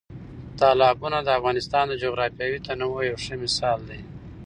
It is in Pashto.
تالابونه د افغانستان د جغرافیوي تنوع یو ښه مثال دی.